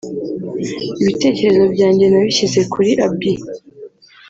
Ibitekerezo byanjye nabishyize kuri Abby